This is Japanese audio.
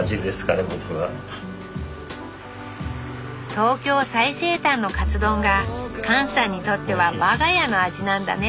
「東京最西端のカツ丼」が勘さんにとっては我が家の味なんだね